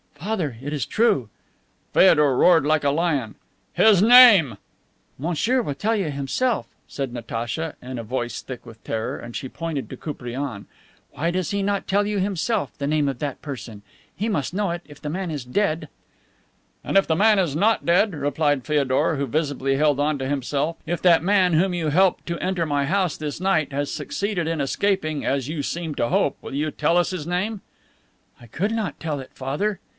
"Father, it is true." Feodor roared like a lion: "His name!" "Monsieur will tell you himself," said Natacha, in a voice thick with terror, and she pointed to Koupriane. "Why does he not tell you himself the name of that person? He must know it, if the man is dead." "And if the man is not dead," replied Feodor, who visibly held onto himself, "if that man, whom you helped to enter my house this night, has succeeded in escaping, as you seem to hope, will you tell us his name?" "I could not tell it, Father."